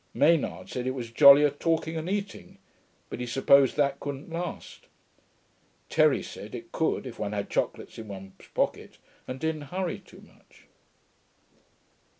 Maynard said it was jollier talking and eating, but he supposed that couldn't last. Terry said it could, if one had chocolates in one's pocket and didn't hurry too much.